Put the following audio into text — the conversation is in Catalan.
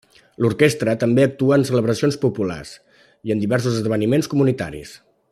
L'orquestra també actua en celebracions populars i en diversos esdeveniments comunitaris.